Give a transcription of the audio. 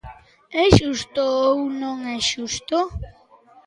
¿É xusto ou non é xusto?